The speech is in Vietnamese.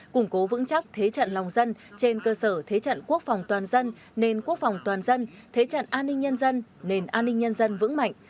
củng cố vững chắc thế trận lòng dân trên cơ sở thế trận quốc phòng toàn dân nền quốc phòng toàn dân thế trận an ninh nhân dân nền an ninh nhân dân vững mạnh